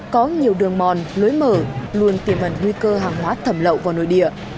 có nhiều đường mòn lối mở luôn tiềm ẩn nguy cơ hàng hóa thẩm lậu vào nội địa